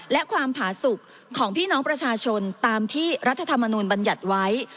และความผาสุขของพี่น้องประชาชนตามที่รัฐธรรมนูลบัญญัติไว้